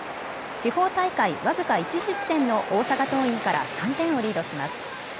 地方大会僅か１失点の大阪桐蔭から３点をリードします。